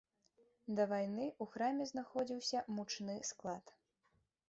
Да вайны ў храме знаходзіўся мучны склад.